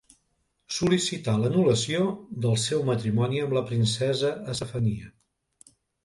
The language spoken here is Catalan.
Sol·licità l’anul·lació del seu matrimoni amb la princesa Estefania.